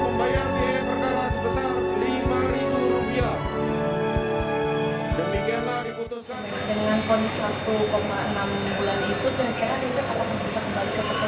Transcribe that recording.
dengan satu enam bulan itu kira kira richard kalau bisa membahas kepentingan atau seperti apa